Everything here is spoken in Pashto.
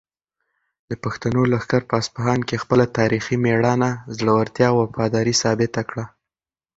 د پښتنو لښکر په اصفهان کې خپله تاریخي مېړانه، زړورتیا او وفاداري ثابته کړه.